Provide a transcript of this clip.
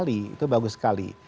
itu bagus sekali